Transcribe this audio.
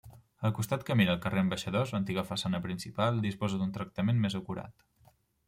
El costat que mira al carrer Abaixadors -antiga façana principal- disposa d'un tractament més acurat.